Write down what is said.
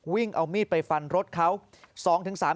วิ่งเอามีดไปฟันรถเขา